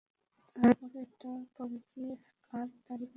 তার পরে একটা পাল্কি আর তারই পিছনে একটা ডুলি ফটকের মধ্যে ঢুকল।